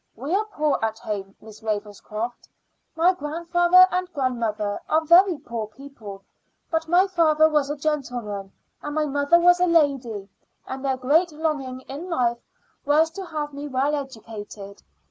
We are poor at home, Miss Ravenscroft. My grandfather and grandmother are very poor people; but my father was a gentleman, and my mother was a lady, and their great longing in life was to have me well educated.